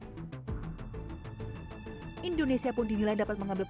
dinilai dapat mengambil peran dengan membawa permasalahan ini ke dewan keamanan pbb melalui